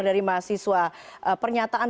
dari mahasiswa pernyataan